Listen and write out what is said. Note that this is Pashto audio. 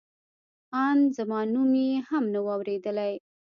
ان زما نوم یې هم نه و اورېدلی.